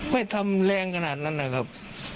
ไม่ทำแรงขนาดนั้นนะครับ